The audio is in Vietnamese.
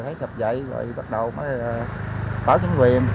hết sập dậy rồi bắt đầu mới